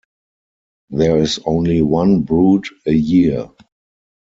There is only one brood a year.